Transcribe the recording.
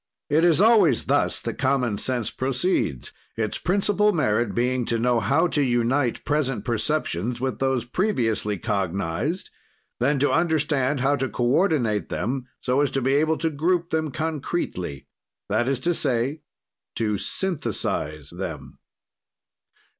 "It is always thus that common sense proceeds, its principal merit being to know how to unite present perceptions with those previously cognized, then to understand how to coordinate them so as to be able to group them concretely, that is to say, to synthesize them.